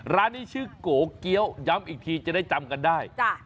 ร้านนี้ชื่อโกเกี้ยวย้ำอีกทีจะได้จำกันได้